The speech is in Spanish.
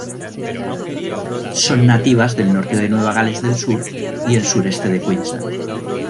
Son nativas del norte de Nueva Gales del Sur y el sureste de Queensland.